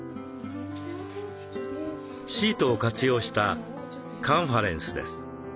シートを活用したカンファレンスです。